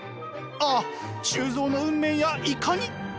ああ周造の運命やいかに！